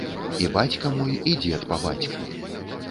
І бацька мой, і дзед па бацьку.